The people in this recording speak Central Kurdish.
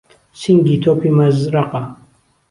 سینگی تۆپی مهزرهقه